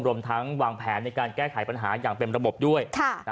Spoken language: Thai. รวมทั้งวางแผนในการแก้ไขปัญหาอย่างเป็นระบบด้วย